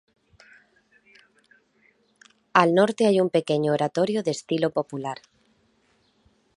Al norte hay un pequeño oratorio de estilo popular.